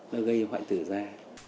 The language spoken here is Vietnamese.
nó gây hoại tử ra